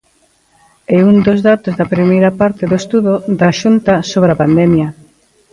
É un dos datos da primeira parte do estudo da Xunta sobre a pandemia.